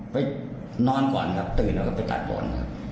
ไปนอนก่อนครับตื่นแล้วก็ไปตัดบ่อนครับ